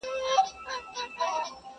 چي لمبې یې پورته کیږي له وزرو.!